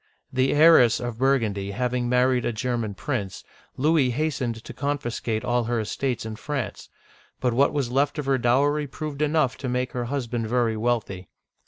The heiress of Burgundy having married a German prince, Louis hastened to confiscate all her estates in France ; but what was left of her dowry proved enough to make her husband very wealthy.